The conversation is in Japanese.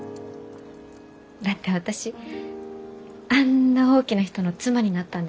だって私あんな大きな人の妻になったんですから。